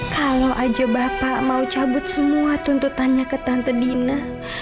kalau aja bapak mau cabut semua tuntutannya ke tante dina